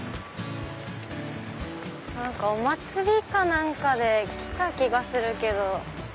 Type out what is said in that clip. お祭りか何かで来た気がするけど。